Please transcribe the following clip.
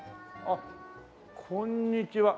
あっこんにちは。